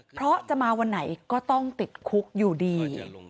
เพราะจะมาวันไหนก็ต้องติดคุกอยู่ดี